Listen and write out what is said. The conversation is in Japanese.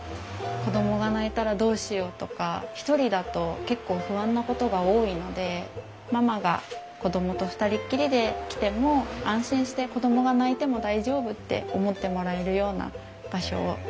子供が泣いたらどうしようとか一人だと結構不安なことが多いのでママが子供と二人っきりで来ても安心して子供が泣いても大丈夫って思ってもらえるような場所をイメージして作りました。